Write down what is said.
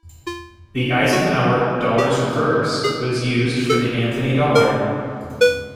The Eisenhower dollar's reverse was used for the Anthony dollar.